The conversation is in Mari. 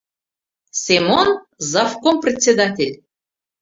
Семон — завком председатель.